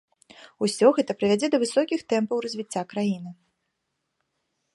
Усё гэта прывядзе да высокіх тэмпаў развіцця краіны.